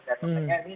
dan maksudnya ini